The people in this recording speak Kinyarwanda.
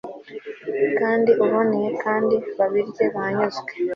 kandi iboneye kandi babirye banyuzwe